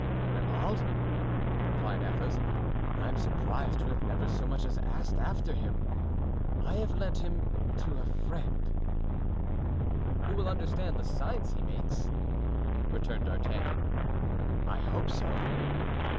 "Grimaud!" replied Athos. "I'm surprised you have never so much as asked after him. I have lent him to a friend——" "Who will understand the signs he makes?" returned D'Artagnan. "I hope so."